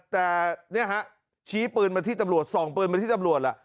แต่เนี่ยฮะชี้ปืนมาที่ตำรวจส่องปืนมาที่ตำรวจล่ะ